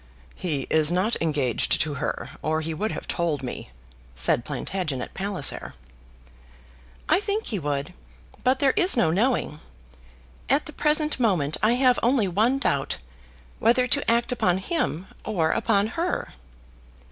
"He is not engaged to her, or he would have told me," said Plantagenet Palliser. "I think he would, but there is no knowing. At the present moment I have only one doubt, whether to act upon him or upon her."